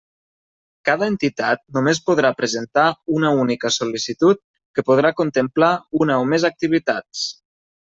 Cada entitat només podrà presentar una única sol·licitud que podrà contemplar una o més activitats.